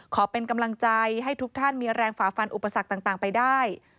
ขอเป็นกำลังใจให้ทุกท่านมีแรงฝ่าฟันอุปสรรคต่างไปได้